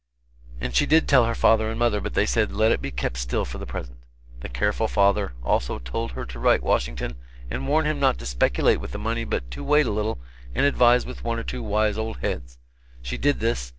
And she did tell her father and mother, but they said, let it be kept still for the present. The careful father also told her to write Washington and warn him not to speculate with the money, but to wait a little and advise with one or two wise old heads. She did this.